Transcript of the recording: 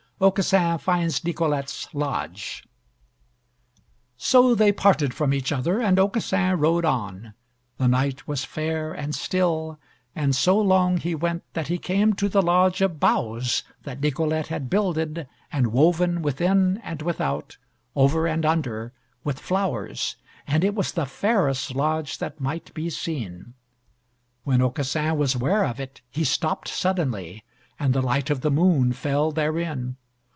AUCASSIN FINDS NICOLETTE'S LODGE So they parted from each other, and Aucassin rode on; the night was fair and still, and so long he went that he came to the lodge of boughs that Nicolette had builded and woven within and without, over and under, with flowers, and it was the fairest lodge that might be seen. When Aucassin was ware of it, he stopped suddenly, and the light of the moon fell therein.